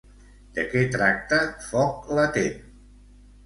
De què tracta Foc latent?